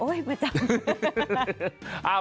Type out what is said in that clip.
โอ้ยประจำ